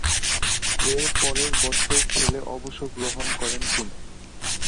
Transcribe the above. এর পরের বছর খেলে অবসর গ্রহণ করেন তিনি।